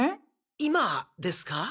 今ですか？